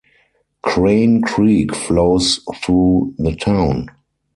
Crane Creek flows through the town.